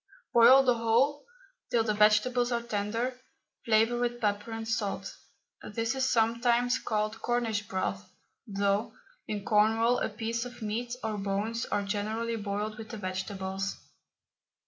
Boil the whole till the vegetables are tender, flavour with pepper and salt. This is sometimes called Cornish broth, though in Cornwall a piece of meat or bones are generally boiled with the vegetables.